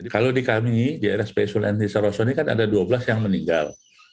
kalau di kami di rspi sulianti saroso ini kan ada dua belas yang meninggal